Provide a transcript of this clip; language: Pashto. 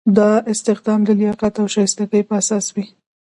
دا استخدام د لیاقت او شایستګۍ په اساس وي.